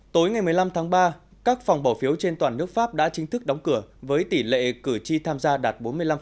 tối ngày một mươi năm tháng ba các phòng bỏ phiếu trên toàn nước pháp đã chính thức đóng cửa với tỷ lệ cử tri tham gia đạt bốn mươi năm